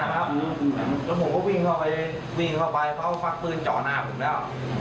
อย่างว่าจะพักปื้นค่าเสียงเหมือนว่าฉุดกันครับนะครับแล้วผมก็วิ่งเข้าไปพักปื้นจ๋อหน้าผมแล้ว